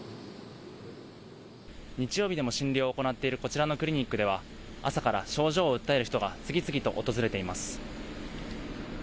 日曜日でも診療を行っているこちらのクリニックでは、朝から症状を訴える人が次々と訪れています。